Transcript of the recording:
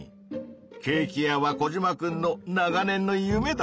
ケーキ屋はコジマくんの長年の夢だったもんねぇ。